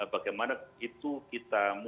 bagaimana itu kita